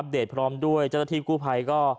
แล้วดูมันตก